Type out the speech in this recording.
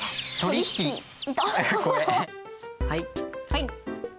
はい。